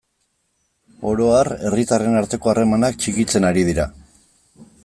Oro har, herritarren arteko harremanak txikitzen ari dira.